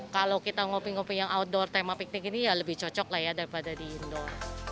kalau kita ngopi ngopi yang outdoor tema piknik ini ya lebih cocok lah ya daripada di indoor